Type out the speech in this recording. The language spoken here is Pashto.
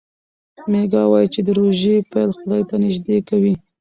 میکا وايي چې د روژې پیل خدای ته نژدې کوي.